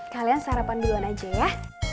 kalian sarapan duluan aja ya